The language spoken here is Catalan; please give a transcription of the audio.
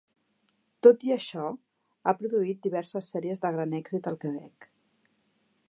Tot i això, ha produït diverses sèries de gran èxit al Quebec.